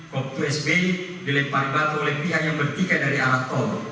waktu sby dilempari batu oleh pihak yang bertiga dari arah tol